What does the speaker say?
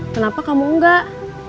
kenapa kamu enggak